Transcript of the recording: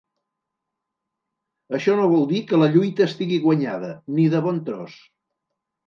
Això no vol dir que la lluita estigui guanyada, ni de bon tros!